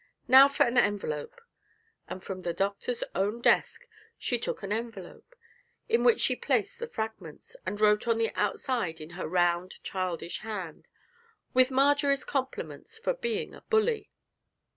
'Now for an envelope!' and from the Doctor's own desk she took an envelope, in which she placed the fragments, and wrote on the outside in her round, childish hand: 'With Marjory's compliments, for being a bully.'